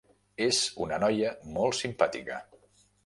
És una noia molt simpàtica.